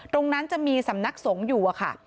ตรงนั้นจะมีสำนักสงฆ์อยู่อะค่ะ